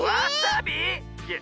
いや